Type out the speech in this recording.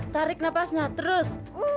tarik nafasnya terus